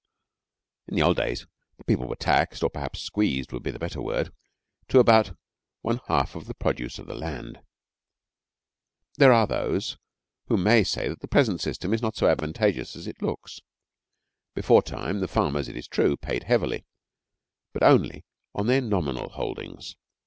In the old days the people were taxed, or perhaps squeezed would be the better word, to about one half of the produce of the land. There are those who may say that the present system is not so advantageous as it looks. Beforetime, the farmers, it is true, paid heavily, but only, on their nominal holdings.